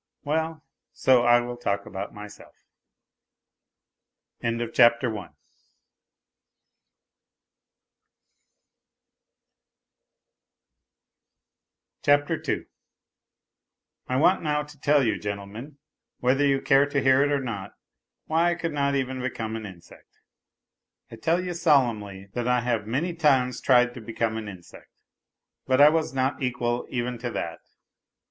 Well, so I will talk about myself. n I want now to tell you, gentlemen, whether you care to hear it or not, why I could not even become an insect. I tell you solemnly, that I have many times tried to become an insect. But I was not equal even to that.